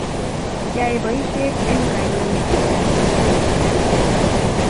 yaei boishet eng kaiweishet ab ripik ab kalyet